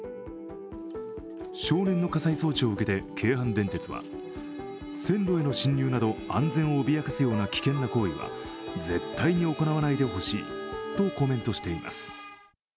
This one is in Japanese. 少年の家裁送致を受けて京阪電鉄は線路への侵入など安全を脅かす危険な行為は絶対に行わないでほしいとコメントしています。